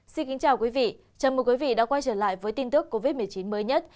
xin kính chào quý vị chào mừng quý vị đã quay trở lại với tin tức covid một mươi chín mới nhất